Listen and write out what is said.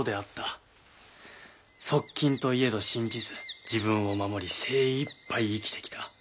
側近といえど信じず自分を守り精いっぱい生きてきた。